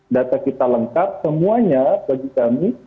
data kita lengkap semuanya bagi kami